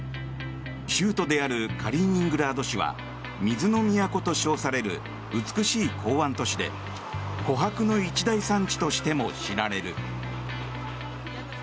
州都であるカリーニングラード市は水の都と称される美しい港湾都市でこはくの一大産地としても知られる。